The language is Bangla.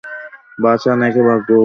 বাঁচান একে ভগবান!